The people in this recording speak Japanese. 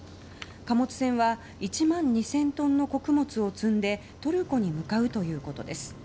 貨物船は１万２０００トンの穀物を積んでトルコに向かうということです。